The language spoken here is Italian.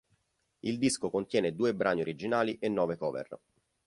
Il disco contiene due brani originali e nove cover.